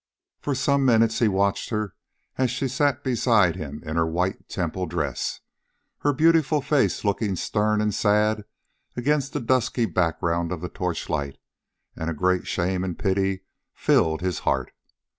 For some minutes he watched her as she sat beside him in her white temple dress, her beautiful face looking stern and sad against the dusky background of the torchlight, and a great shame and pity filled his heart.